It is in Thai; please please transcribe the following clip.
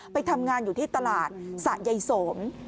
ไปทำงานอยู่ที่ตลาดสะยายสม